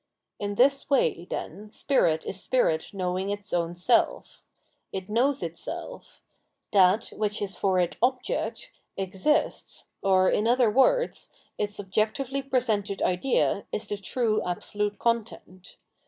In this way, then, Spirit is Spirit knowing its own self. It knows itself ; that, which is for it object, exists, or, in other words, its objectively presented idea is the true absolute content.